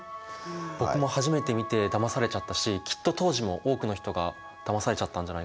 僕も初めて見てだまされちゃったしきっと当時も多くの人がだまされちゃったんじゃないかなって。